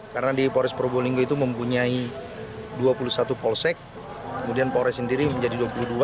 karena di polres probolinggo itu mempunyai dua puluh satu polsek kemudian polres sendiri menjadi dua puluh dua